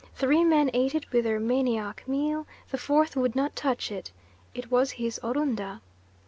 Three men ate it with their manioc meal, the fourth would not touch it. It was his Orunda."